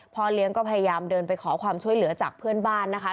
เลี้ยงก็พยายามเดินไปขอความช่วยเหลือจากเพื่อนบ้านนะคะ